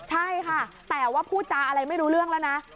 ใช่ค่ะแต่ว่าพูดจาอะไรไม่รู้เรื่องแล้วนะ